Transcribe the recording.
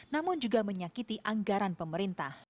namun juga menyakiti anggaran pemerintah